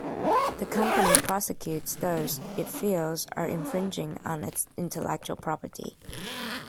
The company prosecutes those it feels are infringing on its intellectual property.